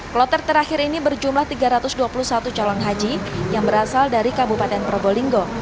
kloter terakhir ini berjumlah tiga ratus dua puluh satu calon haji yang berasal dari kabupaten probolinggo